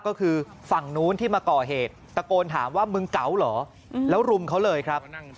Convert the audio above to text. ก็คือฝั่งนู้นที่มาก่อเหตุตะโกนถามว่ามึงเก๋าเหรอแล้วรุมเขาเลยครับ